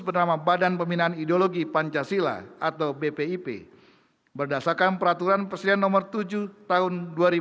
bernama badan peminaan ideologi pancasila atau bpip berdasarkan peraturan presiden no tujuh tahun dua ribu delapan belas